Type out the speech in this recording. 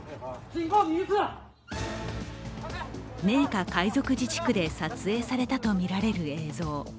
寧夏回族自治区で撮影されたと見られる映像。